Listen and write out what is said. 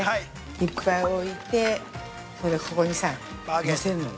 いっぱい置いて、ここにのせんのよ。